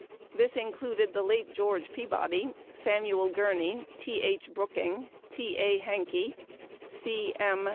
This included the late George Peabody, Samuel Gurney, T. H. Brooking, T. A. Hankey, C. M.